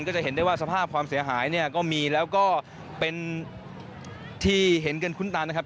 ก็จะเห็นได้ว่าสภาพความเสียหายเนี่ยก็มีแล้วก็เป็นที่เห็นกันคุ้นตานะครับ